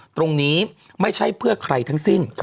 ตรงนี้ไม่ใช่เพื่อใครทั้งสิ้น